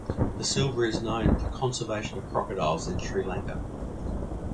De Silva is known for conservation of crocodiles in Sri Lanka.